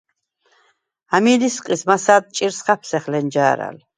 ამი ლისყის მასა̈რდ ჭირს ხაფსეხ ლენჯა̄რა̈რ.